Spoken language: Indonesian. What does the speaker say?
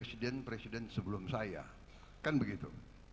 presiden presiden sebelum saya kan begitu